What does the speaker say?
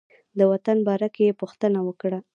د وطن په باره کې یې پوښتنه وکړه.